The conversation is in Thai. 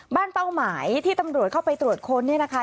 เป้าหมายที่ตำรวจเข้าไปตรวจค้นเนี่ยนะคะ